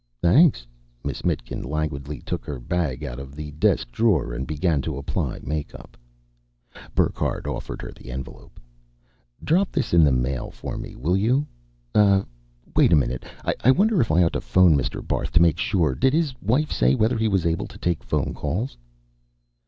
"Thanks." Miss Mitkin languidly took her bag out of the desk drawer and began to apply makeup. Burckhardt offered her the envelope. "Drop this in the mail for me, will you? Uh wait a minute. I wonder if I ought to phone Mr. Barth to make sure. Did his wife say whether he was able to take phone calls?"